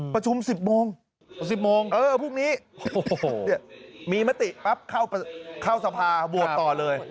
ประชุม๑๐โมง๑๐โมงเออพรุ่งนี้มีมติปั๊บเข้าสภาโหวตต่อเลย